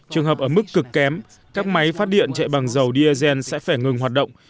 trường hợp ở mức cực kém các máy phát điện chạy bằng dầu diesel sẽ phải ngừng hoạt động